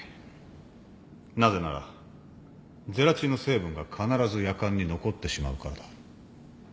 なぜならゼラチンの成分が必ずやかんに残ってしまうからだ。